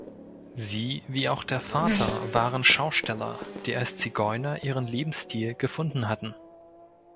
Sie, wie auch der Vater, waren Schausteller, die als Zigeuner ihren Lebensstil gefunden hatten.